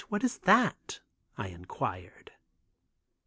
What is that?" I inquired.